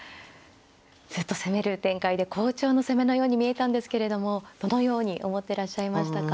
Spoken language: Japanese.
ずっと攻める展開で好調の攻めのように見えたんですけれどもどのように思ってらっしゃいましたか。